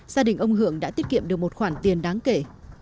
gia đình ông hưởng đã tiết kiệm được một khoản tiền đáng kể